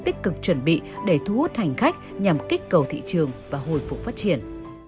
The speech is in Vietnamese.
tích cực chuẩn bị để thu hút hành khách nhằm kích cầu thị trường và hồi phục phát triển